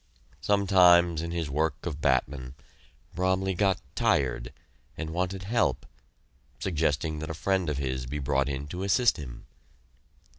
Sometimes, in his work of batman, Bromley got "tired," and wanted help, suggesting that a friend of his be brought in to assist him.